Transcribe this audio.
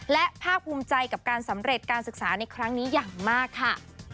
และภาคภูมิใจกับการสำเร็จการศึกษาในครั้งนี้อย่างมากค่ะ